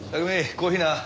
コーヒーな。